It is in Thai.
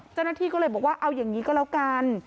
เจ้าหน้าที่ก็เลยบอกว่าเอาอย่างนี้ก็แล้วกัน